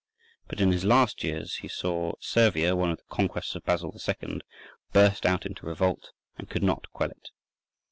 But in his last years he saw Servia, one of the conquests of Basil II., burst out into revolt, and could not quell it.